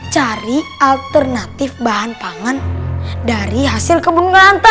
cari alternatif bahan pangan dari hasil kebun kulanta